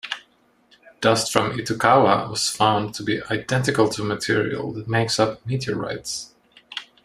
Dust from Itokawa was found to be "identical to material that makes up meteorites.